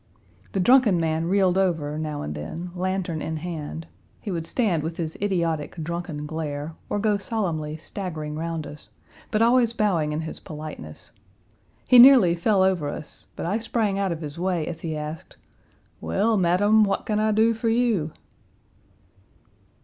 The drunken man reeled over now and then, lantern in hand; he would stand with his idiotic, drunken glare, or go solemnly staggering round us, but always bowing in his politeness. He nearly fell over us, but I sprang out of his way as he asked, "Well, madam, what can I do for you?"